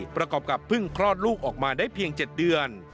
ประกอบกับเพิ่งคลอดลูกออกมาได้เพียง๗เดือน